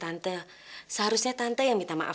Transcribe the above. tante seharusnya tante yang minta maaf